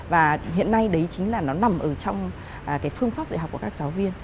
và hiện nay đấy chính là nó nằm ở trong cái phương pháp dạy học của các giáo viên